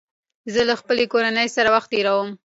زه له خپلې کورنۍ سره وخت تېروم